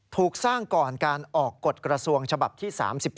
ถูกสร้างก่อนการออกกฎกระทรวงฉบับที่๓๒